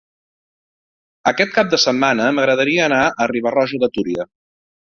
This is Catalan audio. Aquest cap de setmana m'agradaria anar a Riba-roja de Túria.